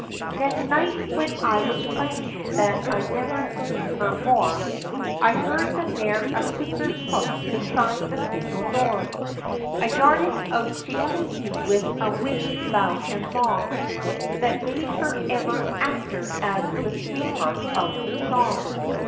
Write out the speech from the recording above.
Next night, whin I was frettin', that I'd never see her more, I heard the mare Asooker's hoof, beside the stable door; I darted out, she kissed me, with a whinney loud and long, That made her ever afther, as the sweetheart of me song!